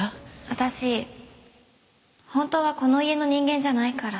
私本当はこの家の人間じゃないから。